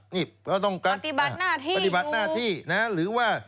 นี่เราต้องการปฏิบัติหน้าที่ปฏิบัติหน้าที่นะหรือว่า